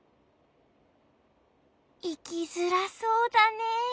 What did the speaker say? いきづらそうだねえ。